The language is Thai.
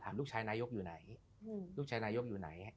ลูกชายนายกอยู่ไหนลูกชายนายกอยู่ไหน